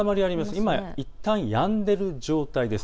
今、いったんやんでいる状態です。